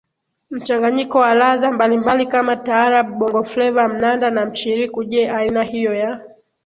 mchanganyiko wa ladha mbalimbali kama taarab bongofleva mnanda na mchiriku Je aina hiyo ya